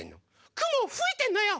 くもをふいてんのよ！